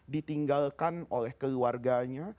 ditinggalkan oleh keluarganya